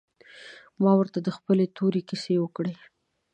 ما ورته د خپلې تورې کيسه وکړه.